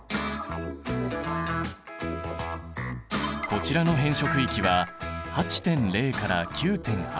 こちらの変色域は８．０から９．８。